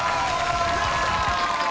やった！